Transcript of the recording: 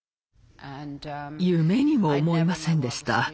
夢にも思いませんでした。